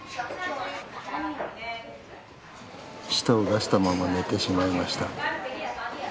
舌を出したまま寝てしまいました。